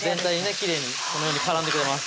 きれいにこのように絡んでくれます